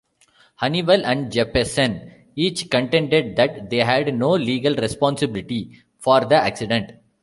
Honeywell and Jeppesen each contended that they had no legal responsibility for the accident.